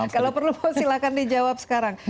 kalau perlu mau silakan dijawab sekarang